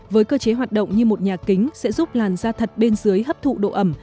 với cơ chế hoạt động như một nhà kính sẽ giúp làn da thật bên dưới hấp thụ độ ẩm